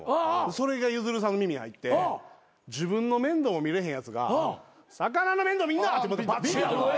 それがゆずるさんの耳に入って自分の面倒も見れへんやつが魚の面倒見んな！